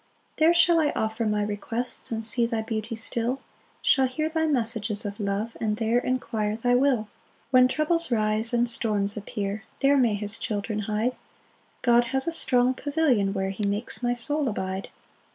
3 There shall I offer my requests, And see thy beauty still, Shall hear thy messages of love, And there enquire thy will. 4 When troubles rise, and storms appear, There may his children hide: God has a strong pavilion where He makes my soul abide.